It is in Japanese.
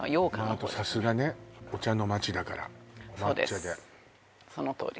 もうあとさすがねお茶の街だからお抹茶でそうです